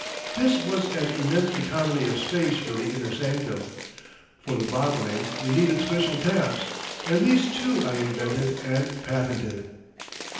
This was an immense economy of space for the inner sanctum. For the bottling we needed special taps, and these, too, I invented and patented.